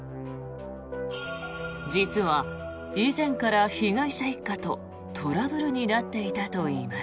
実は以前から被害者一家とトラブルになっていたといいます。